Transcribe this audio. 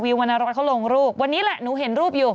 เดี๋ยวว่าแต่พีบเหมือนหนูเลย